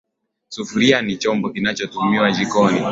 Sufuria ni chombo kinachotumika jikoni.